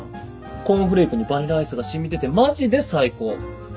コーンフレークにバニラアイスが染みててマジで最高！